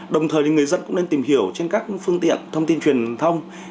đồng thời thì người dân cũng nên tìm hiểu trên các phương tiện thông tin truyền thông